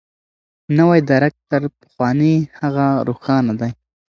نوی درک تر پخواني هغه روښانه دی.